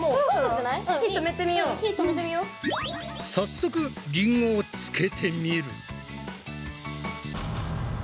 早速りんごをつけてみる。